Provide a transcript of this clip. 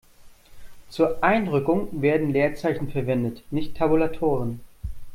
Zur Einrückung werden Leerzeichen verwendet, nicht Tabulatoren.